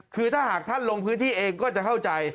คือถ้าหากท่านลงพื้นที่เองก็จะเข้าใจ